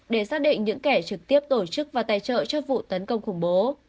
để xác định những kẻ trực tiếp tổ chức và tài trợ cho vụ tấn công khủng bố